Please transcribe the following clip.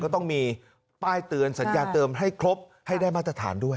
ก็ต้องมีป้ายเตือนสัญญาเติมให้ครบให้ได้มาตรฐานด้วย